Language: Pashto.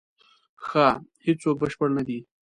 ښه، هیڅوک بشپړ نه دی.